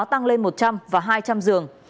tăng lên một trăm linh và hai trăm linh giường